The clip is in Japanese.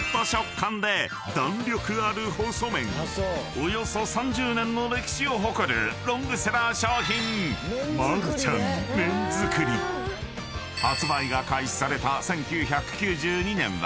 ［およそ３０年の歴史を誇るロングセラー商品］［発売が開始された１９９２年は］